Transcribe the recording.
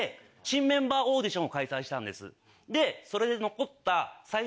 それで残った。